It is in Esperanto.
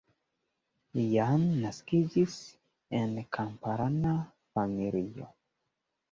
Jan naskiĝis en kamparana familio.